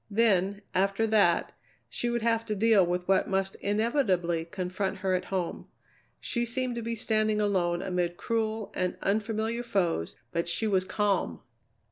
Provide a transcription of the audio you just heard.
Then, after that, she would have to deal with what must inevitably confront her at home. She seemed to be standing alone amid cruel and unfamiliar foes, but she was calm!